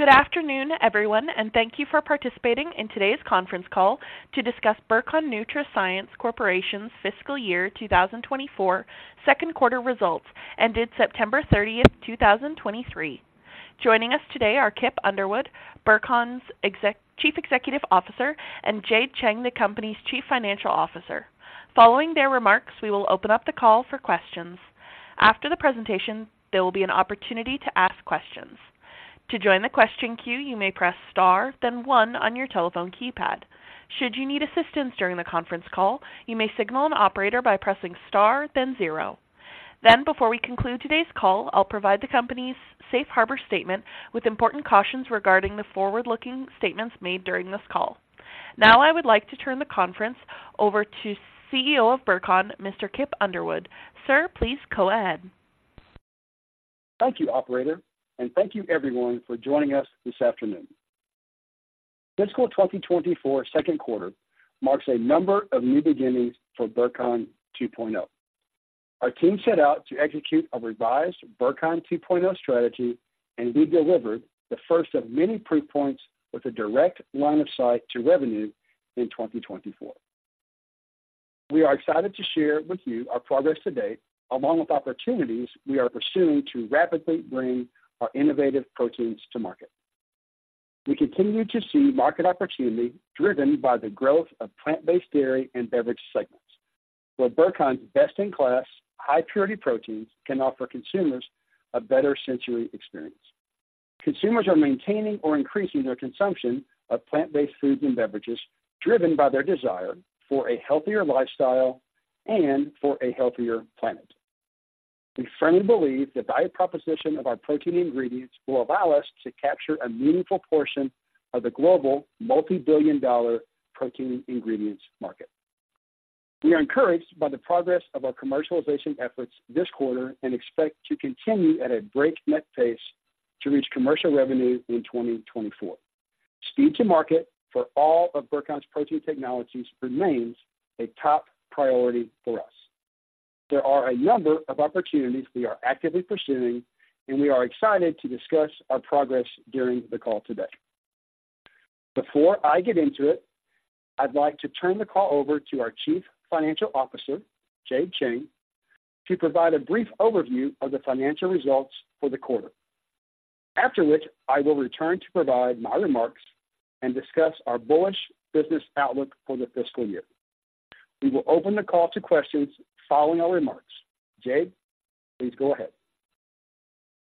Good afternoon, everyone, and thank you for participating in today's conference call to discuss Burcon NutraScience Corporation's fiscal year 2024 second quarter results, ended September 30th, 2023. Joining us today are Kip Underwood, Burcon's Chief Executive Officer, and Jade Cheng, the company's Chief Financial Officer. Following their remarks, we will open up the call for questions. After the presentation, there will be an opportunity to ask questions. To join the question queue, you may press star, then 1 on your telephone keypad. Should you need assistance during the conference call, you may signal an operator by pressing star, then zero. Then, before we conclude today's call, I'll provide the company's Safe Harbor statement with important cautions regarding the forward-looking statements made during this call. Now, I would like to turn the conference over to CEO of Burcon, Mr. Kip Underwood. Sir, please go ahead. Thank you, operator, and thank you everyone for joining us this afternoon. Fiscal 2024 second quarter marks a number of new beginnings for Burcon 2.0. Our team set out to execute a revised Burcon 2.0 strategy, and we delivered the first of many proof points with a direct line of sight to revenue in 2024. We are excited to share with you our progress to date, along with opportunities we are pursuing to rapidly bring our innovative proteins to market. We continue to see market opportunity driven by the growth of plant-based dairy and beverage segments, where Burcon's best-in-class, high-purity proteins can offer consumers a better sensory experience. Consumers are maintaining or increasing their consumption of plant-based foods and beverages, driven by their desire for a healthier lifestyle and for a healthier planet. We firmly believe the value proposition of our protein ingredients will allow us to capture a meaningful portion of the global multibillion-dollar protein ingredients market. We are encouraged by the progress of our commercialization efforts this quarter and expect to continue at a breakneck pace to reach commercial revenue in 2024. Speed to market for all of Burcon's protein technologies remains a top priority for us. There are a number of opportunities we are actively pursuing, and we are excited to discuss our progress during the call today. Before I get into it, I'd like to turn the call over to our Chief Financial Officer, Jade Cheng, to provide a brief overview of the financial results for the quarter. After which, I will return to provide my remarks and discuss our bullish business outlook for the fiscal year. We will open the call to questions following our remarks. Jade, please go ahead.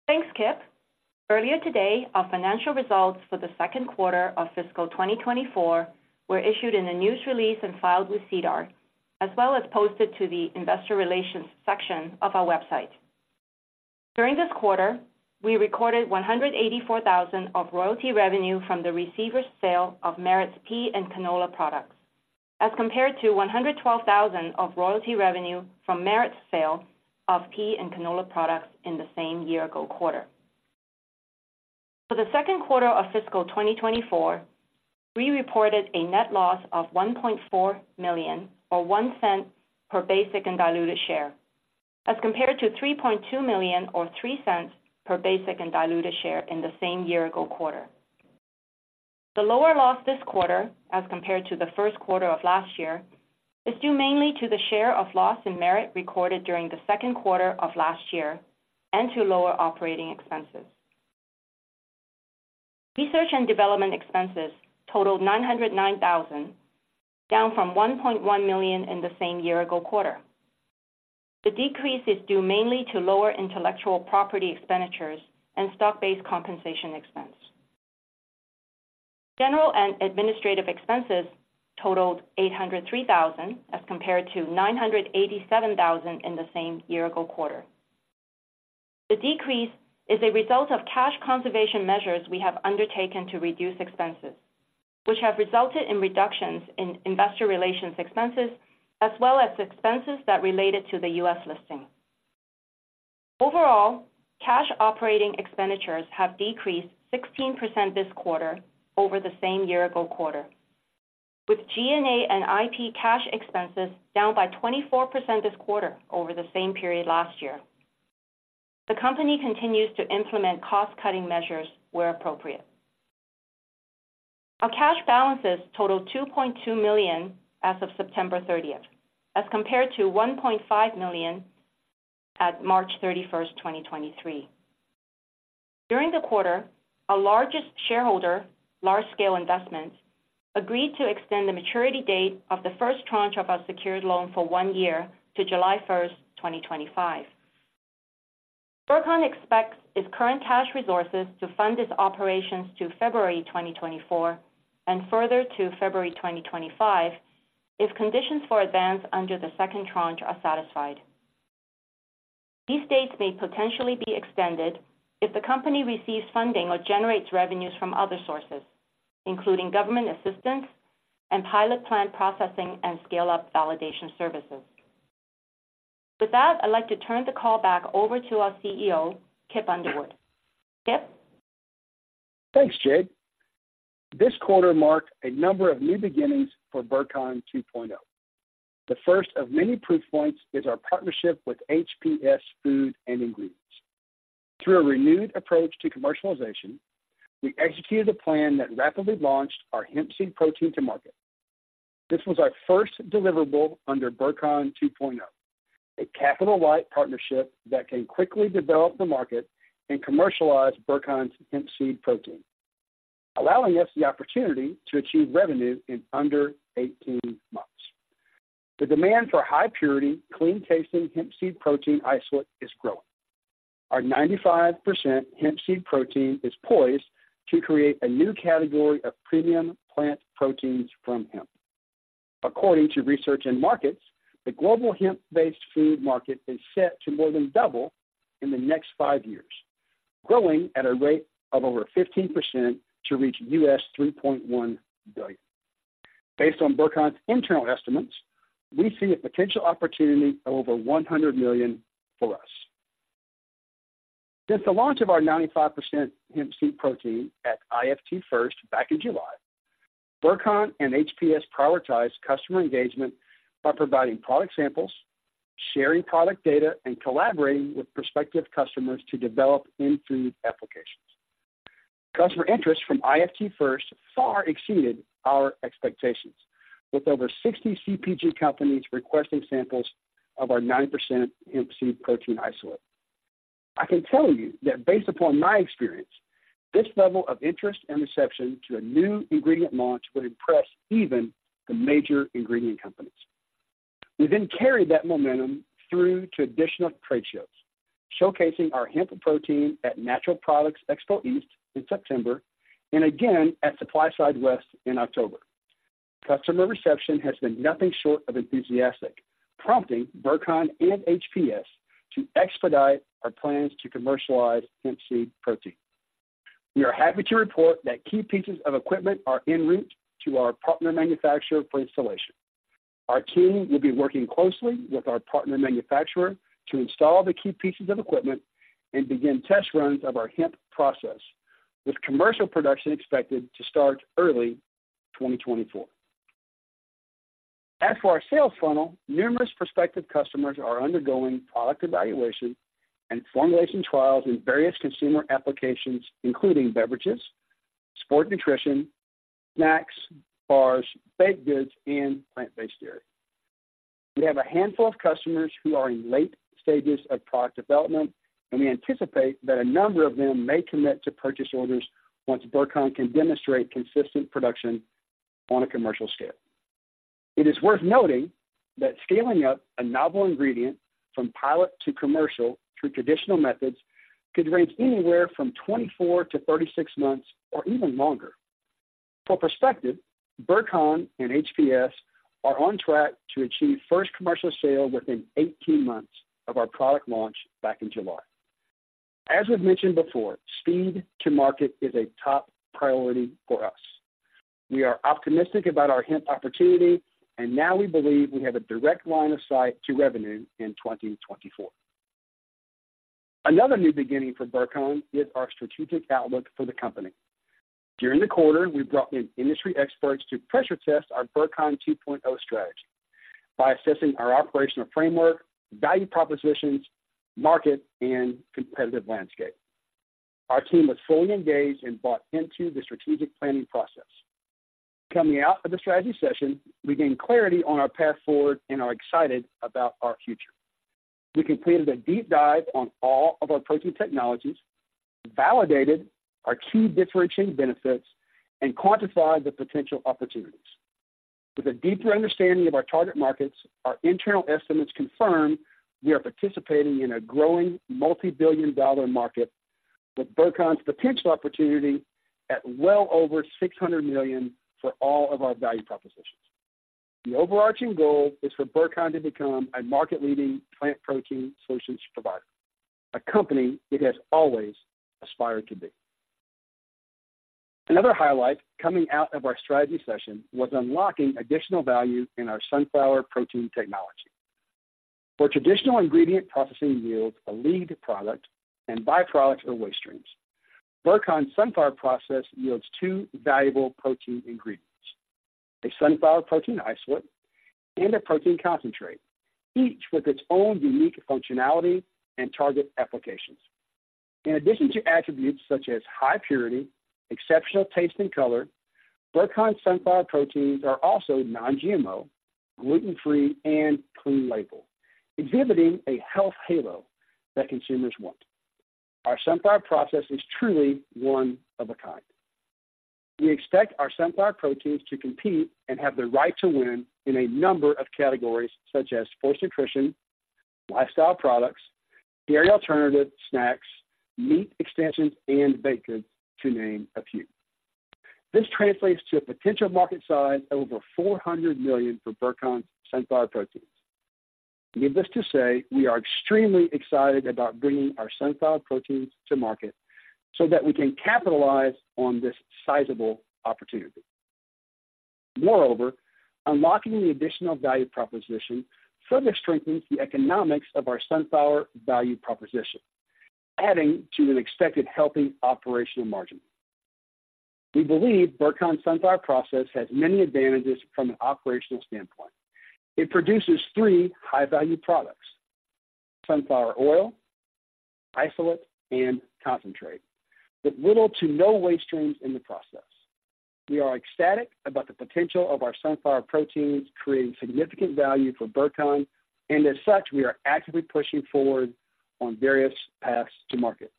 Thanks, Kip. Earlier today, our financial results for the second quarter of fiscal 2024 were issued in a news release and filed with SEDAR, as well as posted to the investor relations section of our website. During this quarter, we recorded 184,000 of royalty revenue from the receiver's sale of Merit's pea and canola products, as compared to 112,000 of royalty revenue from Merit's sale of pea and canola products in the same year-ago quarter. For the second quarter of fiscal 2024, we reported a net loss of 1.4 million, or 0.01 per basic and diluted share, as compared to 3.2 million, or 0.03 per basic and diluted share in the same year-ago quarter. The lower loss this quarter, as compared to the first quarter of last year, is due mainly to the share of loss in Merit recorded during the second quarter of last year and to lower operating expenses. Research and development expenses totaled 909,000, down from 1.1 million in the same year-ago quarter. The decrease is due mainly to lower intellectual property expenditures and stock-based compensation expense. General and administrative expenses totaled 803,000, as compared to 987,000 in the same year-ago quarter. The decrease is a result of cash conservation measures we have undertaken to reduce expenses, which have resulted in reductions in investor relations expenses, as well as expenses that related to the U.S. listing. Overall, cash operating expenditures have decreased 16% this quarter over the same year-ago quarter, with G&A and IP cash expenses down by 24% this quarter over the same period last year. The company continues to implement cost-cutting measures where appropriate. Our cash balances totaled 2.2 million as of September 30, as compared to 1.5 million at March 31st, 2023. During the quarter, our largest shareholder, Large Scale Investments, agreed to extend the maturity date of the first tranche of our secured loan for one year to July 1st, 2025. Burcon expects its current cash resources to fund its operations to February 2024 and further to February 2025, if conditions for advance under the second tranche are satisfied. These dates may potentially be extended if the company receives funding or generates revenues from other sources, including government assistance and pilot plant processing and scale-up validation services. With that, I'd like to turn the call back over to our CEO, Kip Underwood. Kip?... This quarter marked a number of new beginnings for Burcon 2.0. The first of many proof points is our partnership with HPS Food & Ingredients. Through a renewed approach to commercialization, we executed a plan that rapidly launched our hemp seed protein to market. This was our first deliverable under Burcon 2.0, a capital-light partnership that can quickly develop the market and commercialize Burcon's hemp seed protein, allowing us the opportunity to achieve revenue in under 18 months. The demand for high purity, clean-tasting hemp seed protein isolate is growing. Our 95% hemp seed protein is poised to create a new category of premium plant proteins from hemp. According to Research and Markets, the global hemp-based food market is set to more than double in the next five years, growing at a rate of over 15% to reach $3.1 billion. Based on Burcon's internal estimates, we see a potential opportunity of over 100 million for us. Since the launch of our 95% hemp seed protein at IFT FIRST back in July, Burcon and HPS prioritized customer engagement by providing product samples, sharing product data, and collaborating with prospective customers to develop end food applications. Customer interest from IFT FIRST far exceeded our expectations, with over 60 CPG companies requesting samples of our 95% hemp seed protein isolate. I can tell you that based upon my experience, this level of interest and reception to a new ingredient launch would impress even the major ingredient companies. We then carried that momentum through to additional trade shows, showcasing our hemp protein at Natural Products Expo East in September, and again at SupplySide West in October. Customer reception has been nothing short of enthusiastic, prompting Burcon and HPS to expedite our plans to commercialize hemp seed protein. We are happy to report that key pieces of equipment are en route to our partner manufacturer for installation. Our team will be working closely with our partner manufacturer to install the key pieces of equipment and begin test runs of our hemp process, with commercial production expected to start early 2024. As for our sales funnel, numerous prospective customers are undergoing product evaluation and formulation trials in various consumer applications, including beverages, sport nutrition, snacks, bars, baked goods, and plant-based dairy. We have a handful of customers who are in late stages of product development, and we anticipate that a number of them may commit to purchase orders once Burcon can demonstrate consistent production on a commercial scale. It is worth noting that scaling up a novel ingredient from pilot to commercial through traditional methods could range anywhere from 24-36 months or even longer. For perspective, Burcon and HPS are on track to achieve first commercial sale within 18 months of our product launch back in July. As we've mentioned before, speed to market is a top priority for us. We are optimistic about our hemp opportunity, and now we believe we have a direct line of sight to revenue in 2024. Another new beginning for Burcon is our strategic outlook for the company. During the quarter, we brought in industry experts to pressure test our Burcon 2.0 strategy by assessing our operational framework, value propositions, market, and competitive landscape. Our team was fully engaged and bought into the strategic planning process. Coming out of the strategy session, we gained clarity on our path forward and are excited about our future. We completed a deep dive on all of our protein technologies, validated our key differentiating benefits, and quantified the potential opportunities. With a deeper understanding of our target markets, our internal estimates confirm we are participating in a growing multibillion-dollar market, with Burcon's potential opportunity at well over $600 million for all of our value propositions. The overarching goal is for Burcon to become a market-leading plant protein solutions provider, a company it has always aspired to be. Another highlight coming out of our strategy session was unlocking additional value in our sunflower protein technology. For traditional ingredient, processing yields a lead product and byproducts or waste streams. Burcon's sunflower process yields two valuable protein ingredients: a sunflower protein isolate and a protein concentrate, each with its own unique functionality and target applications. In addition to attributes such as high purity, exceptional taste and color, Burcon sunflower proteins are also non-GMO, gluten-free, and clean label, exhibiting a health halo that consumers want. Our sunflower process is truly one of a kind. We expect our sunflower proteins to compete and have the right to win in a number of categories, such as sports nutrition, lifestyle products, dairy alternatives, snacks, meat extensions, and baked goods, to name a few. This translates to a potential market size of over $400 million for Burcon's sunflower proteins. Needless to say, we are extremely excited about bringing our sunflower proteins to market so that we can capitalize on this sizable opportunity... Moreover, unlocking the additional value proposition further strengthens the economics of our sunflower value proposition, adding to an expected healthy operational margin. We believe Burcon's sunflower process has many advantages from an operational standpoint. It produces three high-value products: sunflower oil, isolate, and concentrate, with little to no waste streams in the process. We are ecstatic about the potential of our sunflower proteins creating significant value for Burcon, and as such, we are actively pushing forward on various paths to market,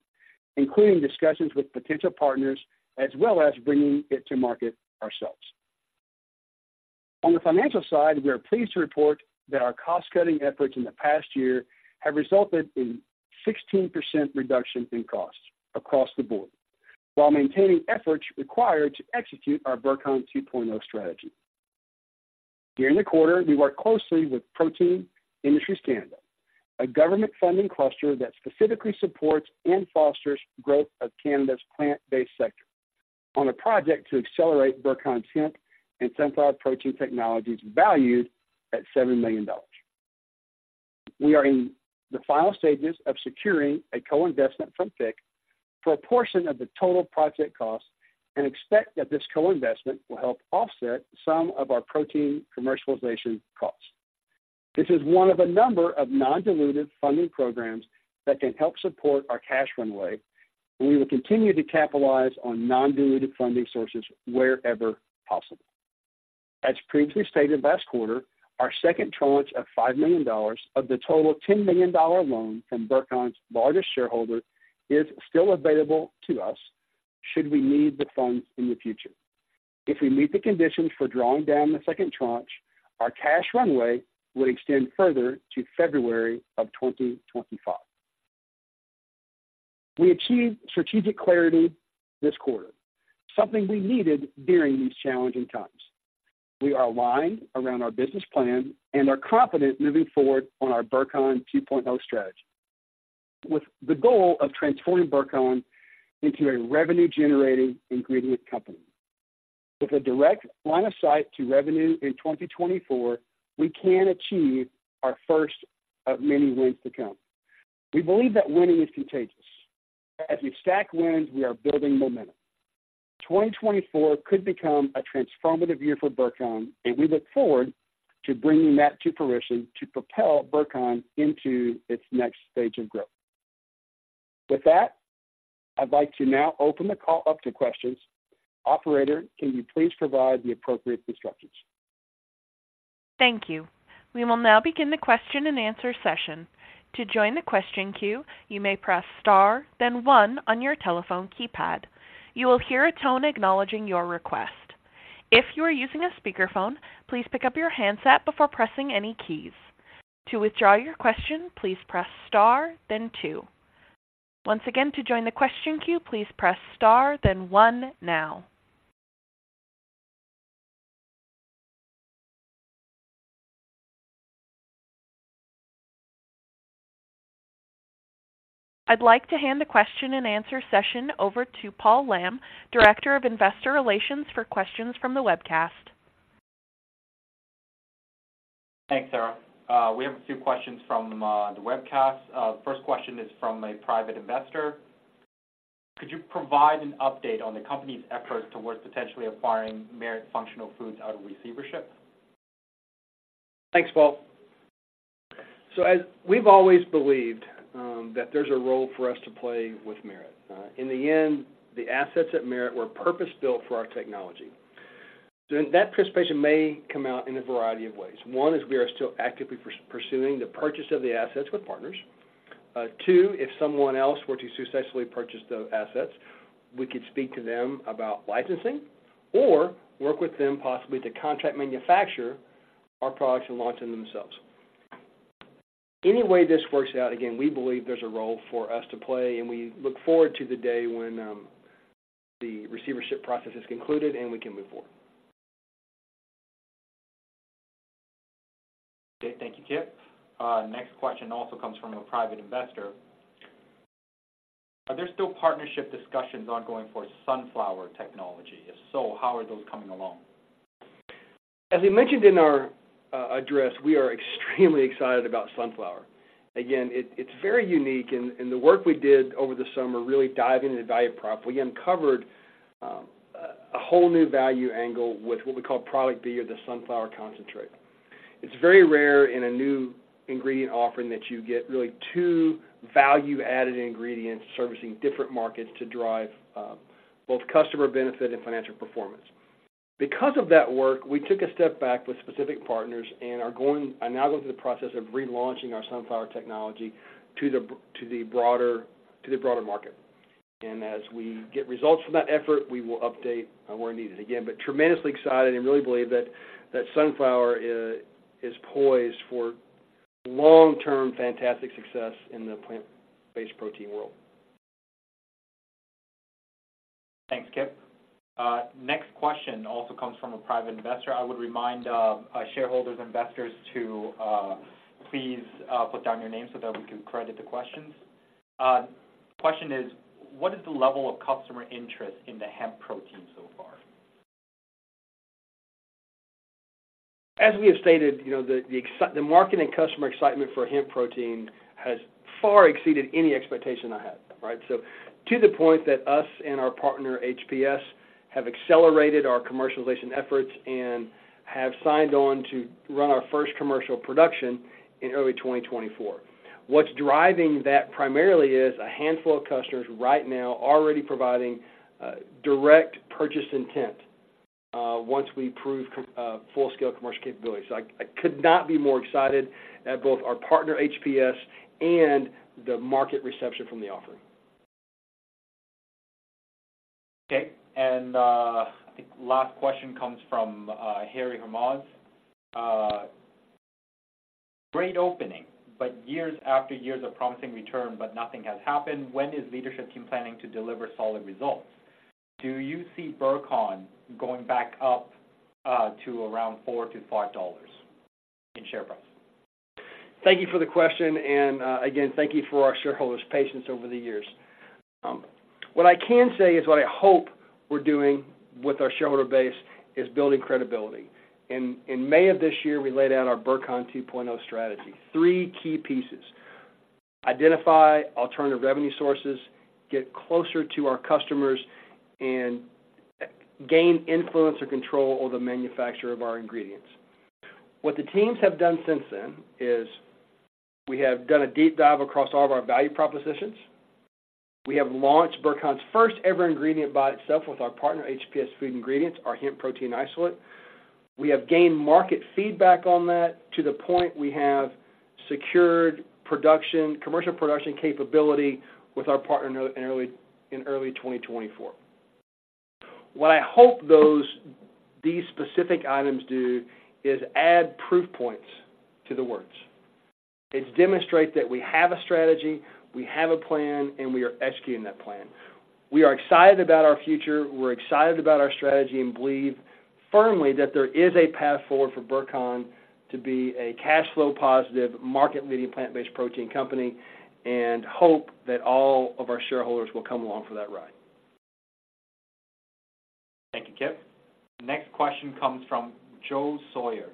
including discussions with potential partners as well as bringing it to market ourselves. On the financial side, we are pleased to report that our cost-cutting efforts in the past year have resulted in 16% reduction in costs across the board, while maintaining efforts required to execute our Burcon 2.0 strategy. During the quarter, we worked closely with Protein Industries Canada, a government-funding cluster that specifically supports and fosters growth of Canada's plant-based sector, on a project to accelerate Burcon's hemp and sunflower protein technologies, valued at 7 million dollars. We are in the final stages of securing a co-investment from PIC for a portion of the total project cost and expect that this co-investment will help offset some of our protein commercialization costs. This is one of a number of non-dilutive funding programs that can help support our cash runway, and we will continue to capitalize on non-dilutive funding sources wherever possible. As previously stated last quarter, our second tranche of 5 million dollars of the total 10 million dollar loan from Burcon's largest shareholder is still available to us should we need the funds in the future. If we meet the conditions for drawing down the second tranche, our cash runway would extend further to February 2025. We achieved strategic clarity this quarter, something we needed during these challenging times. We are aligned around our business plan and are confident moving forward on our Burcon 2.0 strategy, with the goal of transforming Burcon into a revenue-generating ingredient company. With a direct line of sight to revenue in 2024, we can achieve our first of many wins to come. We believe that winning is contagious. As we stack wins, we are building momentum. 2024 could become a transformative year for Burcon, and we look forward to bringing that to fruition to propel Burcon into its next stage of growth. With that, I'd like to now open the call up to questions. Operator, can you please provide the appropriate instructions? Thank you. We will now begin the question-and-answer session. To join the question queue, you may press star, then one on your telephone keypad. You will hear a tone acknowledging your request. If you are using a speakerphone, please pick up your handset before pressing any keys. To withdraw your question, please press star then two. Once again, to join the question queue, please press star then one now. I'd like to hand the question-and-answer session over to Paul Lam, Director of Investor Relations, for questions from the webcast. Thanks, Sarah. We have a few questions from the webcast. First question is from a private investor. Could you provide an update on the company's efforts towards potentially acquiring Merit Functional Foods out of receivership? Thanks, Paul. So as we've always believed, that there's a role for us to play with Merit. In the end, the assets at Merit were purpose-built for our technology. So that participation may come out in a variety of ways. One is we are still actively pursuing the purchase of the assets with partners. Two, if someone else were to successfully purchase those assets, we could speak to them about licensing or work with them possibly to contract manufacture our products and launch them themselves. Any way this works out, again, we believe there's a role for us to play, and we look forward to the day when the receivership process is concluded, and we can move forward. Okay. Thank you, Kip. Next question also comes from a private investor. Are there still partnership discussions ongoing for sunflower technology? If so, how are those coming along? As we mentioned in our address, we are extremely excited about sunflower. Again, it's very unique, and the work we did over the summer, really diving into the value prop, we uncovered a whole new value angle with what we call Product B or the sunflower concentrate. It's very rare in a new ingredient offering that you get really two value-added ingredients servicing different markets to drive both customer benefit and financial performance. Because of that work, we took a step back with specific partners and are now going through the process of relaunching our sunflower technology to the broader market. And as we get results from that effort, we will update where needed. Again, but tremendously excited and really believe that sunflower is poised for long-term fantastic success in the plant-based protein world. Thanks, Kip. Next question also comes from a private investor. I would remind our shareholders, investors to please put down your name so that we can credit the questions.... Question is, what is the level of customer interest in the hemp protein so far? As we have stated, you know, the excitement for hemp protein has far exceeded any expectation I had, right? So to the point that us and our partner, HPS, have accelerated our commercialization efforts and have signed on to run our first commercial production in early 2024. What's driving that primarily is a handful of customers right now already providing direct purchase intent once we prove full-scale commercial capability. So I could not be more excited at both our partner, HPS, and the market reception from the offering. Okay, and I think last question comes from Harry Herman. Great opening, but years after years of promising return, but nothing has happened. When is leadership team planning to deliver solid results? Do you see Burcon going back up to around 4-5 dollars in share price? Thank you for the question, and again, thank you for our shareholders' patience over the years. What I can say is what I hope we're doing with our shareholder base is building credibility. In May of this year, we laid out our Burcon 2.0 strategy. Three key pieces: identify alternative revenue sources, get closer to our customers, and gain influence or control over the manufacturer of our ingredients. What the teams have done since then is we have done a deep dive across all of our value propositions. We have launched Burcon's first-ever ingredient by itself with our partner, HPS Food & Ingredients, our hemp protein isolate. We have gained market feedback on that to the point we have secured production, commercial production capability with our partner in early 2024. What I hope those, these specific items do is add proof points to the words. It demonstrate that we have a strategy, we have a plan, and we are executing that plan. We are excited about our future. We're excited about our strategy and believe firmly that there is a path forward for Burcon to be a cash flow positive, market-leading, plant-based protein company, and hope that all of our shareholders will come along for that ride. Thank you, Kip. Next question comes from Joe Sawyer.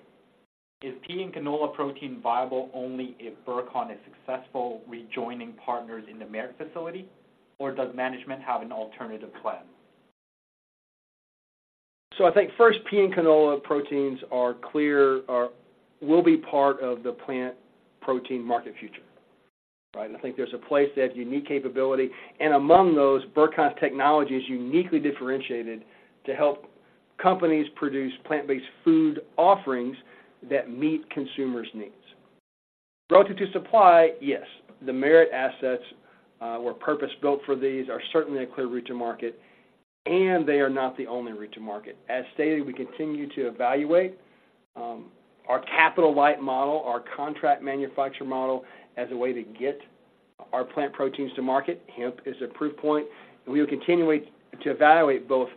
Is pea and canola protein viable only if Burcon is successful rejoining partners in the Merit facility, or does management have an alternative plan? So I think first, pea and canola proteins are clear, will be part of the plant protein market future, right? I think there's a place, they have unique capability, and among those, Burcon's technology is uniquely differentiated to help companies produce plant-based food offerings that meet consumers' needs. Relative to supply, yes, the Merit assets were purpose-built for these, certainly a clear route to market, and they are not the only route to market. As stated, we continue to evaluate our capital-light model, our contract manufacturer model, as a way to get our plant proteins to market. Hemp is a proof point, and we will continue to evaluate both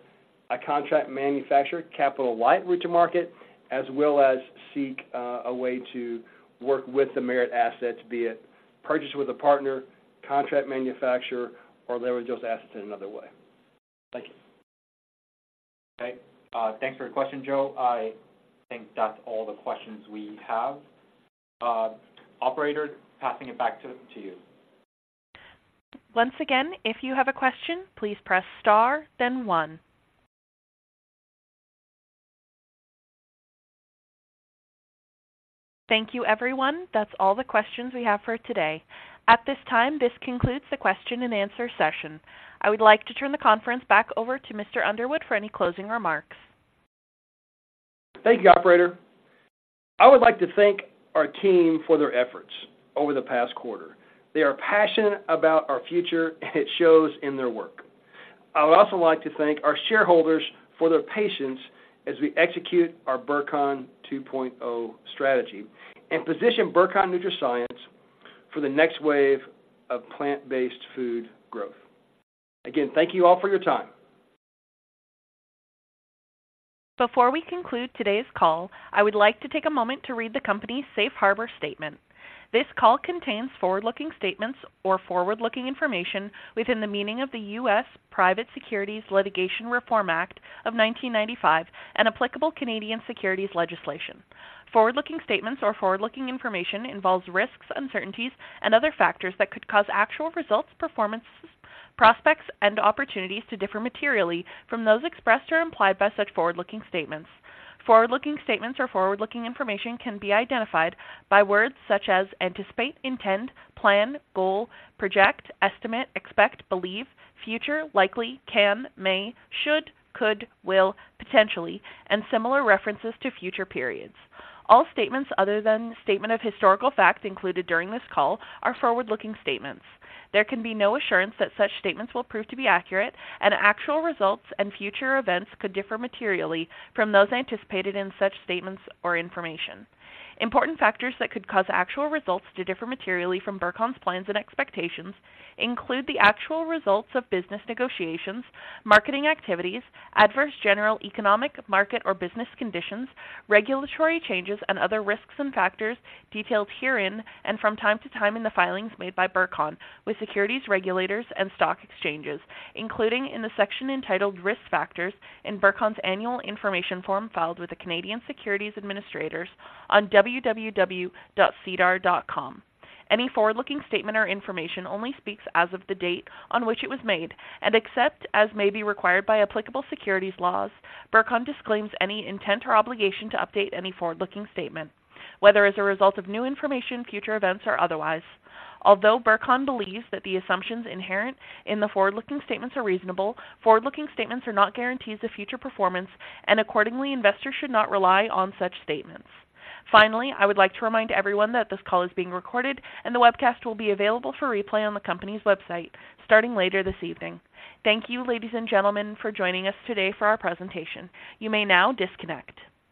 a contract manufacturer, capital-light route to market, as well as seek a way to work with the Merit assets, be it purchase with a partner, contract manufacturer, or leverage those assets in another way. Thank you. Okay, thanks for your question, Paul. I think that's all the questions we have. Operator, passing it back to you. Once again, if you have a question, please press Star, then one. Thank you, everyone. That's all the questions we have for today. At this time, this concludes the question and answer session. I would like to turn the conference back over to Mr. Underwood for any closing remarks. Thank you, Operator. I would like to thank our team for their efforts over the past quarter. They are passionate about our future, and it shows in their work. I would also like to thank our shareholders for their patience as we execute our Burcon 2.0 strategy and position Burcon NutraScience for the next wave of plant-based food growth. Again, thank you all for your time. Before we conclude today's call, I would like to take a moment to read the company's Safe Harbor statement. This call contains forward-looking statements or forward-looking information within the meaning of the U.S. Private Securities Litigation Reform Act of 1995 and applicable Canadian securities legislation. Forward-looking statements or forward-looking information involves risks, uncertainties, and other factors that could cause actual results, performances, prospects, and opportunities to differ materially from those expressed or implied by such forward-looking statements. Forward-looking statements or forward-looking information can be identified by words such as anticipate, intend, plan, goal, project, estimate, expect, believe, future, likely, can, may, should, could, will, potentially, and similar references to future periods. All statements other than statement of historical facts included during this call are forward-looking statements. There can be no assurance that such statements will prove to be accurate, and actual results and future events could differ materially from those anticipated in such statements or information. Important factors that could cause actual results to differ materially from Burcon's plans and expectations include the actual results of business negotiations, marketing activities, adverse general economic market or business conditions, regulatory changes, and other risks and factors detailed herein and from time to time in the filings made by Burcon with securities regulators and stock exchanges, including in the section entitled Risk Factors in Burcon's Annual Information Form filed with the Canadian Securities Administrators on www.sedar.com. Any forward-looking statement or information only speaks as of the date on which it was made, and except as may be required by applicable securities laws, Burcon disclaims any intent or obligation to update any forward-looking statement, whether as a result of new information, future events, or otherwise. Although Burcon believes that the assumptions inherent in the forward-looking statements are reasonable, forward-looking statements are not guarantees of future performance, and accordingly, investors should not rely on such statements. Finally, I would like to remind everyone that this call is being recorded, and the webcast will be available for replay on the company's website starting later this evening. Thank you, ladies and gentlemen, for joining us today for our presentation. You may now disconnect.